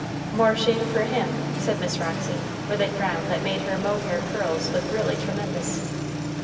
"More shame for him," said Miss Roxy, with a frown that made her mohair curls look really tremendous.